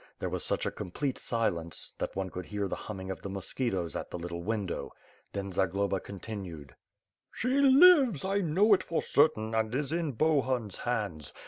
There was such a complete silence, that one could hear the humming of the mosquitoes at the little window. Then Zagloba continued: "She lives, I know it for certain, and is in Bohun's hands.